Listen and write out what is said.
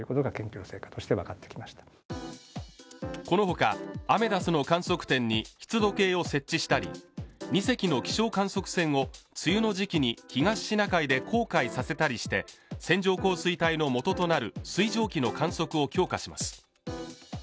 このほかアメダスの観測点に湿度計を設置したり２隻の気象観測船を梅雨の時期に東シナ海で航海させたりして線状降水帯のもととなる水蒸気の観測を強化します